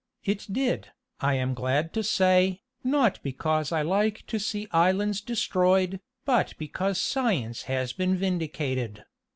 It did, I am glad to say, not because I like to see islands destroyed, but because science has been vindicated.